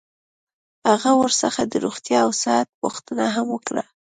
هغه ورڅخه د روغتیا او صحت پوښتنه هم وکړه.